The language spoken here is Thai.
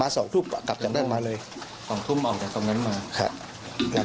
ไปสูงเสร็จแล้วก็กลับ